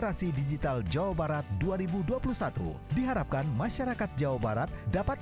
pemirsa jawa barat mengucapkan selamat datang ke jawa barat